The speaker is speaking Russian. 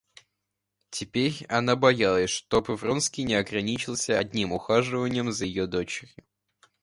Теперь она боялась, чтобы Вронский не ограничился одним ухаживаньем за ее дочерью.